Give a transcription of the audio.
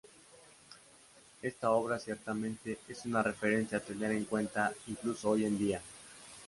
Esta obra ciertamente es una referencia a tener en cuenta, incluso hoy día.